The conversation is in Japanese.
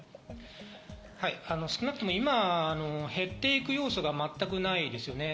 少なくとも今減っていく要素が全くないですね。